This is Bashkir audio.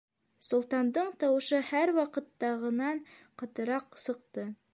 — Солтандың тауышы һәр ваҡыттағынан ҡатыраҡ сыҡты.